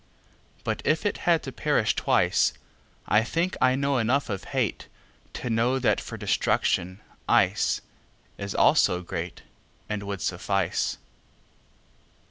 But if it had to perish twice,I think I know enough of hateTo know that for destruction iceIs also greatAnd would suffice.